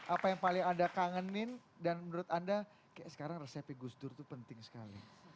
apa yang paling anda kangenin dan menurut anda kayak sekarang resepi gus dur itu penting sekali